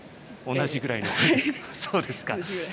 同じぐらい。